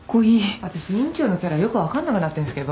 私院長のキャラよくわからなくなってるんすけど。